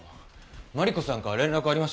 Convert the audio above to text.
マリコさんから連絡ありました？